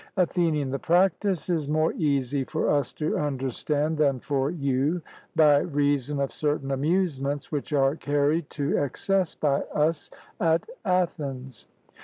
ATHENIAN: The practice is more easy for us to understand than for you, by reason of certain amusements which are carried to excess by us at Athens.